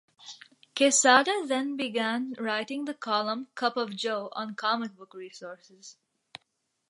Quesada then began writing the column "Cup of Joe" on Comic Book Resources.